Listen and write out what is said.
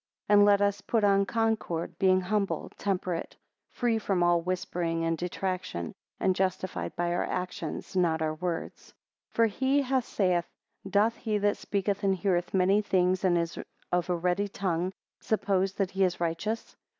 5 And let us put on concord, being humble, temperate; free from all whispering and detraction; and justified by our actions, not our words. 6 For he saith, Doth he that speaketh and heareth many things, and is of a ready tongue, suppose that he is righteous?